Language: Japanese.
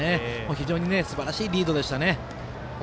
非常にすばらしいリードでしたね。